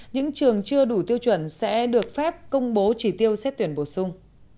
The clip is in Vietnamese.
những trường chưa đủ tiêu chuẩn sẽ được phép công bố chỉ tiêu xét tuyển bổ sung